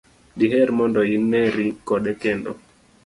diher mondo ineri kode kendo?